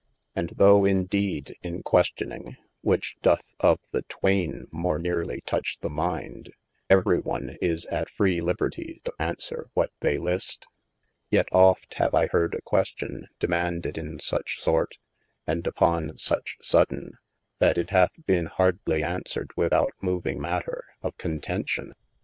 And though in deed in questioning (which doth of ye twaine more nerely touch the mind) every on is at free liberty to answere what they list : yet oft have I hearde a question demaunded in such sorte, and upon such sodayne, yl it hath bene hardly answered without moving matter of contencion.